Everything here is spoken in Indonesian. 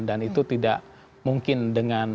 dan itu tidak mungkin dengan